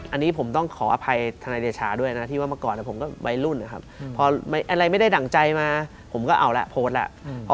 อันนี้ผมต้องขออภัยทนายเดชาด้วยนะที่ว่าเมื่อก่อนผมก็วัยรุ่นนะครับพออะไรไม่ได้ดั่งใจมาผมก็เอาละโพสต์แล้ว